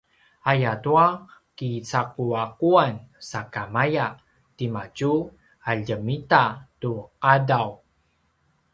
ayatua kicaquaquan sakamaya timadju a ljemita tu qadaw